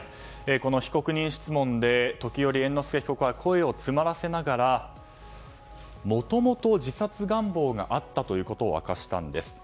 被告人質問で時折、猿之助被告は声を詰まらせながらもともと、自殺願望があったことを明かしたんです。